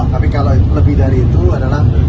tapi kalau lebih dari itu adalah